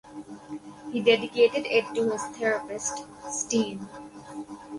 He dedicated it to his therapist, Stein.